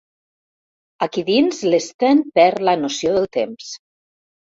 Aquí dins l'Sten perd la noció del temps.